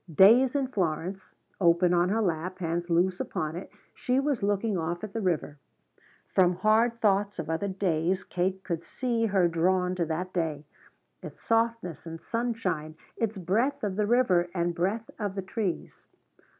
"Days in Florence" open on her lap, hands loose upon it, she was looking off at the river. From hard thoughts of other days Kate could see her drawn to that day its softness and sunshine, its breath of the river and breath of the trees.